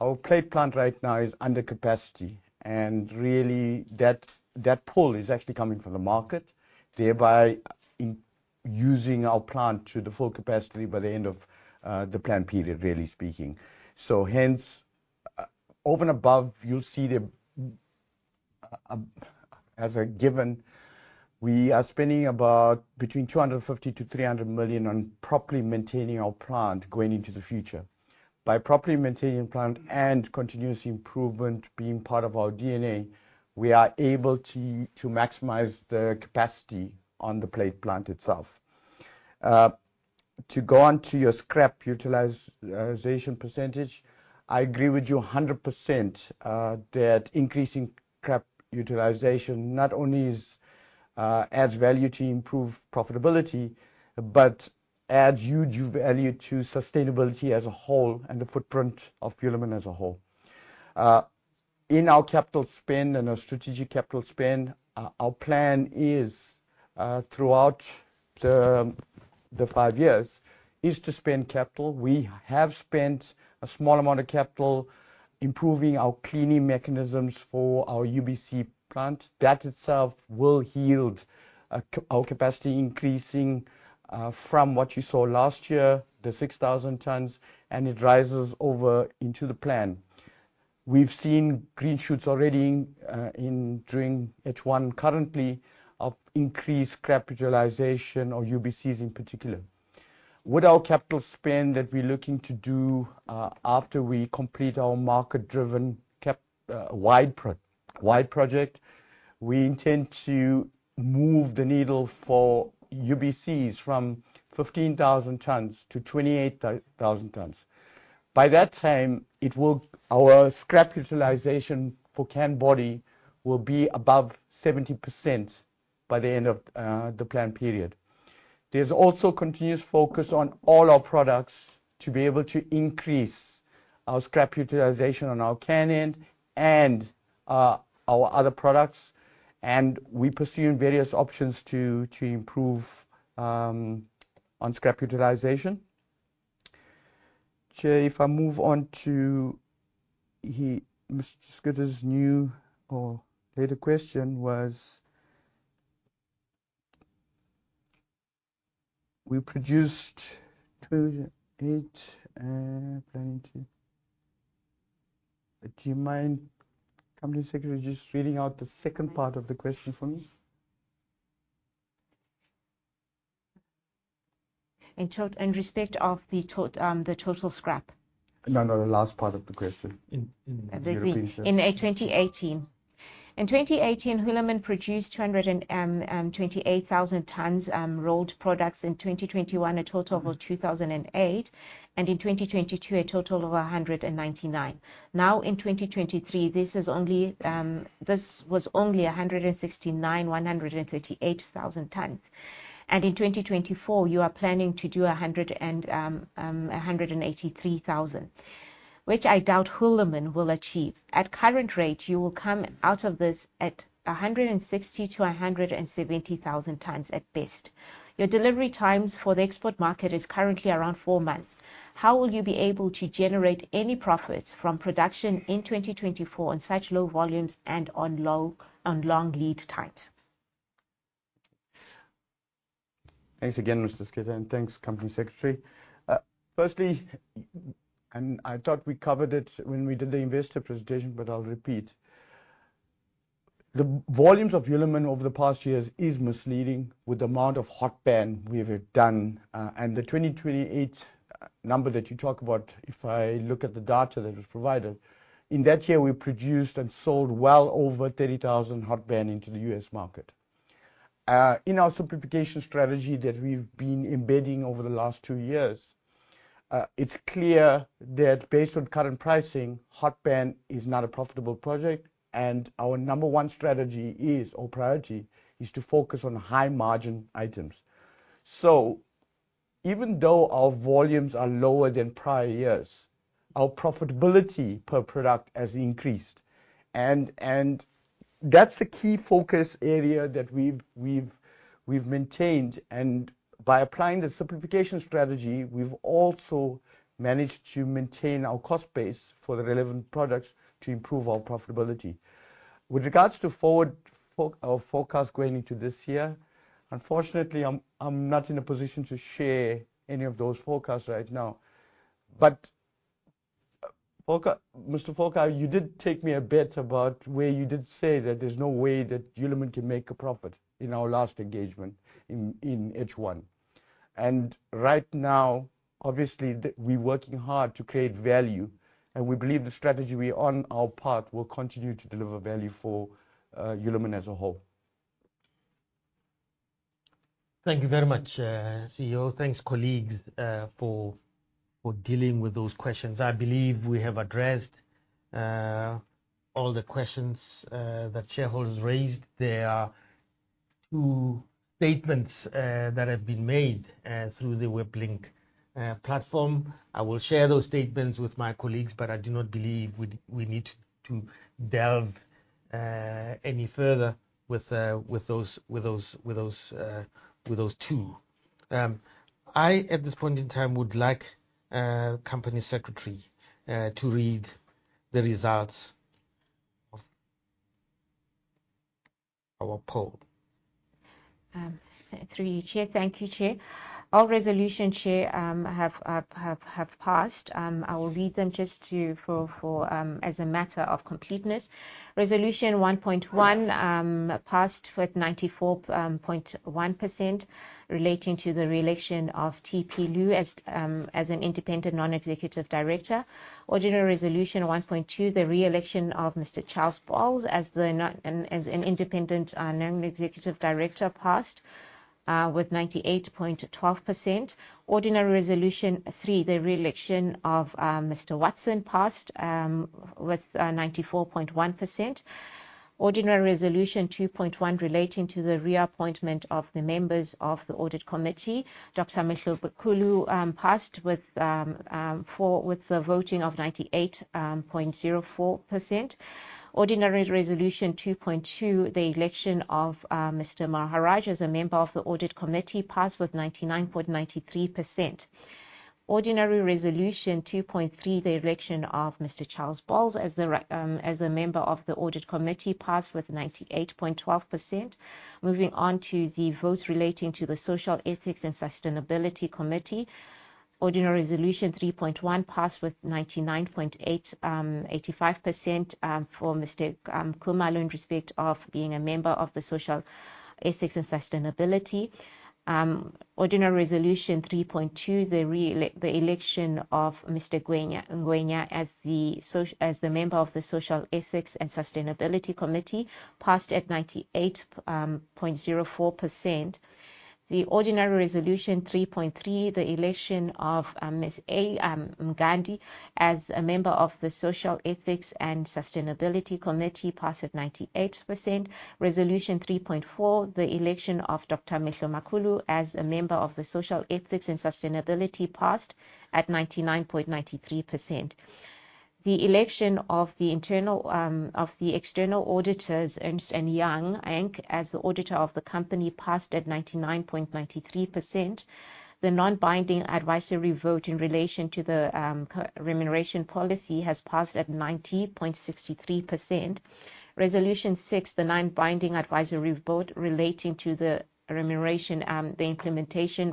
our plate plant right now is under capacity, and really that pull is actually coming from the market, thereby using our plant to the full capacity by the end of the plan period, really speaking. Over and above, you'll see as a given, we are spending about between 250 million-300 million on properly maintaining our plant going into the future. By properly maintaining plant and continuous improvement being part of our DNA, we are able to maximize the capacity on the plate plant itself. To go on to your scrap utilization percentage, I agree with you 100% that increasing scrap utilization not only adds value to improve profitability, but adds huge value to sustainability as a whole and the footprint of Hulamin as a whole. In our capital spend and our strategic capital spend, our plan is throughout the 5 years to spend capital. We have spent a small amount of capital improving our cleaning mechanisms for our UBC plant. That itself will yield our capacity increasing from what you saw last year, the 6,000 tons, and it rises over into the plan. We've seen green shoots already in during H1 currently of increased scrap utilization of UBCs in particular. With our capital spend that we're looking to do after we complete our market-driven CapEx wide project, we intend to move the needle for UBCs from 15,000 tons to 28,000 tons. By that time, our scrap utilization for can body will be above 70% by the end of the plan period. There's also continuous focus on all our products to be able to increase our scrap utilization on our can end and our other products, and we pursue various options to improve on scrap utilization. Chair, if I move on to- Mr. Schutte new or later question was. We produced two, eight planning to. Do you mind, company secretary, just reading out the second part of the question for me? In respect of the total scrap. No, no, the last part of the question in- In 2018, Hulamin produced 228,000 tons rolled products. In 2021, a total of 208,000 tons, and in 2022, a total of 199,000 tons. Now, in 2023, this was only 169,138 tons. In 2024, you are planning to do 183,000, which I doubt Hulamin will achieve. At current rate, you will come out of this at 160,000-170,000 tons at best. Your delivery times for the export market is currently around 4 months. How will you be able to generate any profits from production in 2024 on such low volumes and on long lead times? Thanks again, Mr. Schutte, and thanks, company secretary. Firstly, I thought we covered it when we did the investor presentation, but I'll repeat. The volumes of Hulamin over the past years is misleading with the amount of hot band we have done, and the 2028 number that you talk about, if I look at the data that was provided, in that year, we produced and sold well over 30,000 hot band into the U.S. market. In our simplification strategy that we've been embedding over the last 2 years, it's clear that based on current pricing, hot band is not a profitable project, and our number one strategy is, or priority, is to focus on high margin items. Even though our volumes are lower than prior years, our profitability per product has increased. That's a key focus area that we've maintained. By applying the simplification strategy, we've also managed to maintain our cost base for the relevant products to improve our profitability. With regards to forecast going into this year, unfortunately, I'm not in a position to share any of those forecasts right now. Mr. Volker, you did take me to task about where you did say that there's no way that Hulamin can make a profit in our last engagement in H1. Right now, obviously, we're working hard to create value, and we believe the strategy we're on, our path, will continue to deliver value for Hulamin as a whole. Thank you very much, CEO. Thanks, colleagues, for dealing with those questions. I believe we have addressed all the questions that shareholders raised. There are two statements that have been made through the web link platform. I will share those statements with my colleagues, but I do not believe we need to delve any further with those two. I, at this point in time, would like company secretary to read the results of our poll. Through you, Chair. Thank you, Chair. All resolutions, Chair, have passed. I will read them just for as a matter of completeness. Resolution 1.1 passed with 94.1% relating to the re-election of TP Leeuw as an independent non-executive director. Ordinary Resolution 1.2, the re-election of Mr. Charles Boles as an independent non-executive director passed with 98.12%. Ordinary Resolution 3, the re-election of Mr. Watson passed with 94.1%. Ordinary Resolution 2.1 relating to the re-appointment of the members of the Audit Committee, Dr. Mehlomakulu, passed with the voting of 98.04%. Ordinary Resolution 2.2, the election of Mr. Maharajh as a member of the Audit Committee passed with 99.93%. Ordinary Resolution 2.3, the election of Mr. Charles Boles as a member of the Audit Committee passed with 98.12%. Moving on to the votes relating to the Social, Ethics, and Sustainability Committee. Ordinary Resolution 3.1 passed with 99.85% for Mr. Khumalo in respect of being a member of the Social, Ethics, and Sustainability. Ordinary Resolution 3.2, the election of Mr. Ngwenya as a member of the Social, Ethics, and Sustainability Committee passed at 98%. Resolution 3.4, the election of Dr. Mehlomakulu as a member of the Social, Ethics, and Sustainability passed at 99.93%. The election of the external auditors, Ernst & Young Inc., as the auditor of the company, passed at 99.93%. The non-binding advisory vote in relation to the Remuneration Policy has passed at 90.63%. Resolution 6, the non-binding advisory vote relating to the remuneration implementation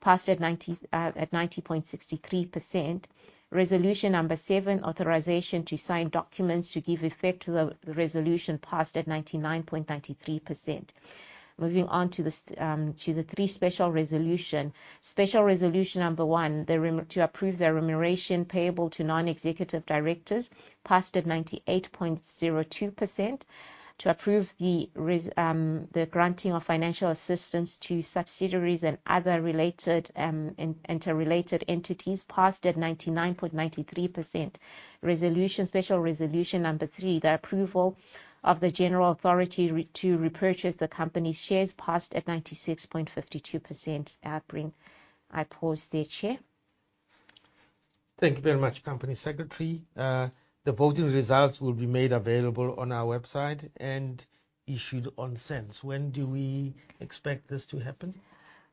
passed at 90.63%. Resolution Number 7, authorization to sign documents to give effect to the resolution passed at 99.93%. Moving on to the three special resolutions. Special Resolution Number 1, to approve the remuneration payable to non-executive directors passed at 98.02%. To approve the granting of financial assistance to subsidiaries and other related interrelated entities passed at 99.93%. Resolution- Special Resolution Number 3, the approval of the general authority to repurchase the company's shares passed at 96.52%. I pause there, Chair. Thank you very much, company secretary. The voting results will be made available on our website and issued on SENS. When do we expect this to happen?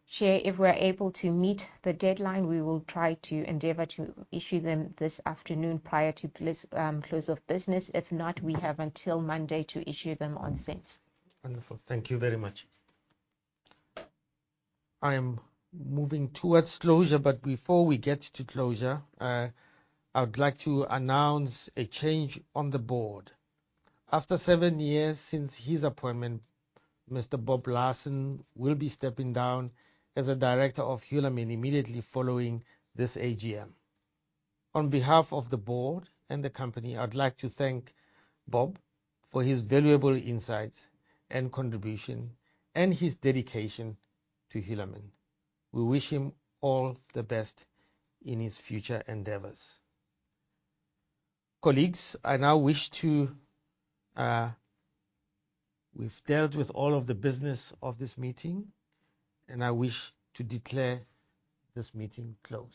Chair, if we're able to meet the deadline, we will try to endeavor to issue them this afternoon prior to close of business. If not, we have until Monday to issue them on SENS. Wonderful. Thank you very much. I am moving towards closure, but before we get to closure, I would like to announce a change on the board. After 7 years since his appointment, Mr. Bob Larson will be stepping down as a director of Hulamin immediately following this AGM. On behalf of the board and the company, I'd like to thank Bob for his valuable insights and contribution and his dedication to Hulamin. We wish him all the best in his future endeavors. Colleagues, I now wish to- We've dealt with all of the business of this meeting, and I wish to declare this meeting closed.